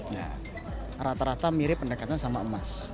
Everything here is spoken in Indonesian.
nah rata rata mirip pendekatannya sama emas